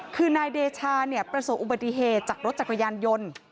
คือนายเดชาเนี่ยประสบอุบัติเหตุจากรถจักรยานยนต์